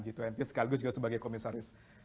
g dua puluh sekaligus juga sebagai komisaris